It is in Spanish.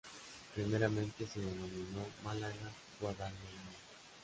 Primeramente se denominó "Málaga-Guadalmedina".